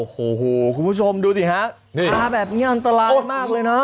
โหคุณผู้ชมดูซิฮะขาแบบนี้อันตรายมากเลยนะ